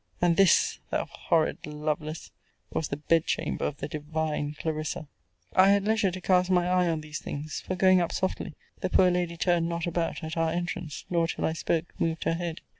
And this, thou horrid Lovelace, was the bed chamber of the divine Clarissa!!! I had leisure to cast my eye on these things: for, going up softly, the poor lady turned not about at our entrance; nor, till I spoke, moved her head.